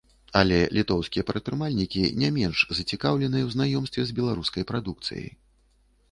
Але літоўскія прадпрымальнікі не менш зацікаўленыя ў знаёмстве з беларускай прадукцыяй.